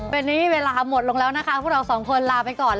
วันนี้เวลาหมดลงแล้วนะคะพวกเราสองคนลาไปก่อน